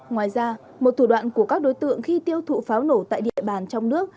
ngoài ra một thủ đoạn của các đối tượng khi tiêu thụ pháo nổ tại địa bàn trong nước